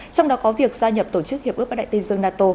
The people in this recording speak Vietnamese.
trong đó có việc gia nhập tổ chức hiệp ước bắc đại tây dương nato